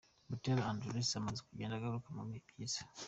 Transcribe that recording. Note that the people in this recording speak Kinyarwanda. Butera Andrew amaze kugenda agaruka mu bihe byiza.